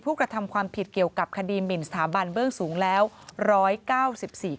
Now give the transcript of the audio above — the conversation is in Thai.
ผู้กระทำความผิดเกี่ยวกับคดีหมินสถาบันเบื้องสูงแล้วร้อยเก้าสิบสี่